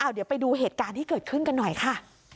เดี๋ยวไปดูเหตุการณ์ที่เกิดขึ้นกันหน่อยค่ะ